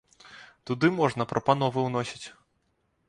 Туды можна прапановы ўносіць.